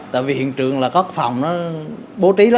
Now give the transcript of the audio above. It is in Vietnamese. tại vì hiện trường là các phòng nó bố trí đó